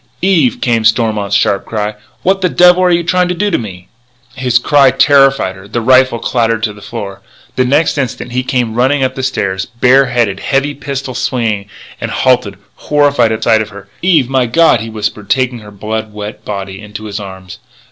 "Eve!" came Stormont's sharp cry, "what the devil are you trying to do to me?" His cry terrified her; the rifle clattered to the floor. The next instant he came running up the stairs, bare headed, heavy pistol swinging, and halted, horrified at sight of her. "Eve! My God!" he whispered, taking her blood wet body into his arms.